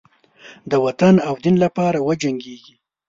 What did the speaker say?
د وطن او دین لپاره وجنګیږي.